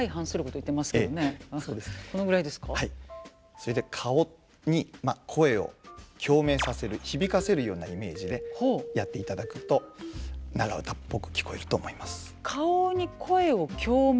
それで顔に声を共鳴させる響かせるようなイメージでやっていただくと長唄っぽく聞こえると思います。